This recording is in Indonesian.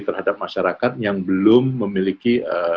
terhadap masyarakat yang belum memiliki